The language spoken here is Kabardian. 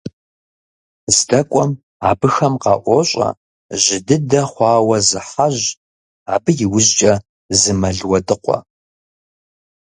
ЗдэкӀуэм абыхэм къаӀуощӀэ жьы дыдэ хъуауэ зы хьэжь, абы и ужькӀэ зы мэл уэдыкъуа.